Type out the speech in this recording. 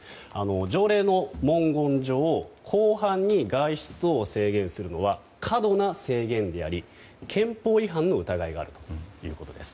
条例の文言上広範に外出等を制限するのは過度な制限であり憲法違反の疑いがあるということです。